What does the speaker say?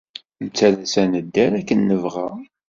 Nettalas ad nedder akken ay nebɣa.